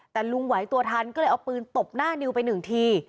แต่ลุงไหวตัวทันก็เลยเอาปืนตบหน้านิวไปหนึ่งที